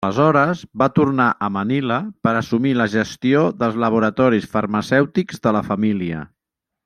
Aleshores va tornar a Manila per assumir la gestió dels laboratoris farmacèutics de la família.